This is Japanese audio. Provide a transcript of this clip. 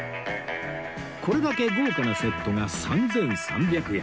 これだけ豪華なセットが３３００円